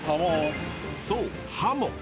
そうハモ。